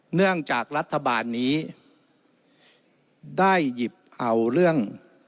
เนื่องจากรัฐบาลนี้ได้หยิบเอาเรื่อง